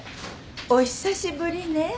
お久しぶりね。